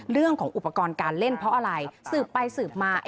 เรื่องของอุปกรณ์การเล่นเพราะอะไรสืบไปสืบมา